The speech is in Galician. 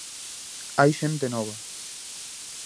Hai xente nova.